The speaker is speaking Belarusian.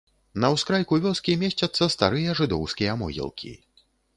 На ўскрайку вёскі месцяцца старыя жыдоўскія могілкі.